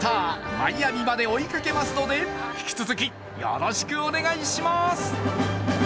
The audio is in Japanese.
マイアミまで追いかけますので引き続きよろしくお願いします。